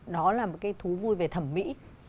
đó là một cái thú vui về thẩm mỹ